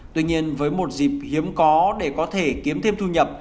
tuy nhiên với một dịp hiếm có để có thể kiếm thêm thu nhập